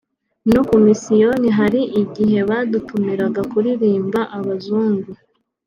no ku misiyoni hari igihe badutumiraga kuririmbira abazungu…”